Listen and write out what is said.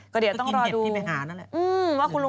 ก็เดี๋ยวต้องรอดู